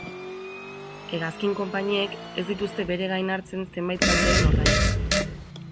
Hegazkin-konpainiek ez dituzte bere gain hartzen zenbait kalteren ordainak.